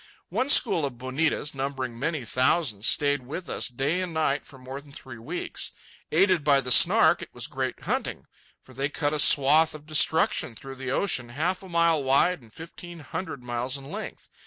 One school of bonitas, numbering many thousands, stayed with us day and night for more than three weeks. Aided by the Snark, it was great hunting; for they cut a swath of destruction through the ocean half a mile wide and fifteen hundred miles in length.